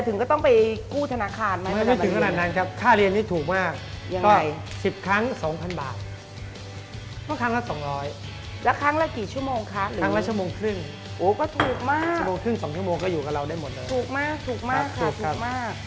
โอ้ก็ถูกมากถึง๒ชั่วโมงก็อยู่กับเราได้หมดเลยถูกมากถูกมากค่ะถูกมาก